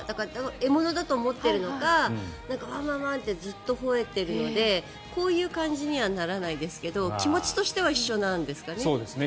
獲物だと思ってるのかワンワンワン！ってずっとほえているのでこういう感じにはならないですが気持ちとしては一緒なんですかね。